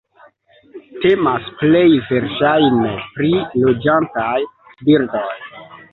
Temas plej verŝajne pri loĝantaj birdoj.